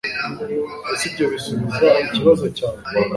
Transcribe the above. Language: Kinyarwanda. ese ibyo bisubiza ikibazo cyawe